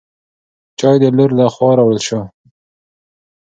چای د لور له خوا راوړل شو.